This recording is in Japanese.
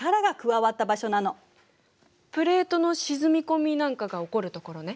プレートの沈み込みなんかが起こるところね。